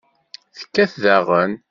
Tekkat daɣen.